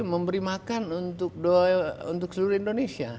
memberi makan untuk seluruh indonesia